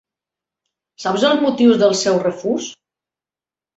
Saps els motius del seu refús?